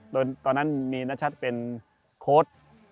โดยตอนนั้นมีนชัดเป็นโค้ด